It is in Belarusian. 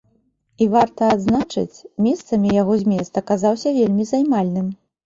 І, варта адзначыць, месцамі яго змест аказаўся вельмі займальным.